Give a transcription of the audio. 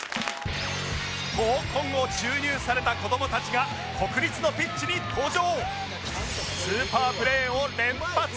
闘魂を注入された子どもたちが国立のピッチに登場